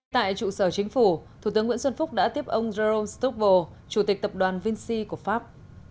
tại trụ sở chính phủ thủ tướng nguyễn xuân phúc đã tiếp ông jerome stucco chủ tịch tập đoàn vinci của pháp